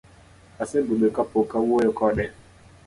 Asebudho kapok awuoyo kode